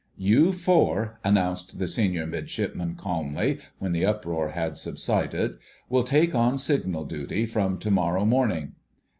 "You four," announced the Senior Midshipman calmly, when the uproar had subsided, "will take on signal duty from to morrow morning."